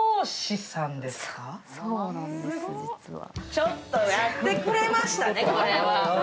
ちょっとやってくれましたね、これは。